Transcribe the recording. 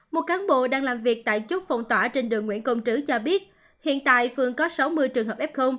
một cán bộ đang làm việc tại chốt phòng tỏa trên đường nguyễn công trứ cho biết hiện tại phường có sáu mươi trường hợp f